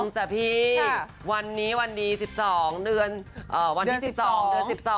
สวัสดีสัพครับจังพี่วันนี้๑๒และวันนี้๑๒